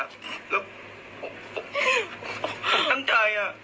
แล้วตั้งใจ